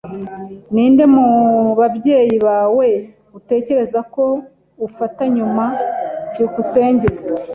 Ninde mubabyeyi bawe utekereza ko ufata nyuma? byukusenge